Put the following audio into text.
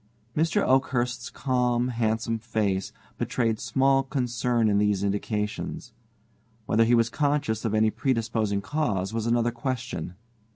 Mr. Oakhurst's calm, handsome face betrayed small concern in these indications. Whether he was conscious of any predisposing cause was another question.